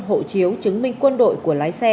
hộ chiếu chứng minh quân đội của lái xe